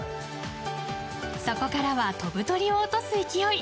そこからは飛ぶ鳥を落とす勢い！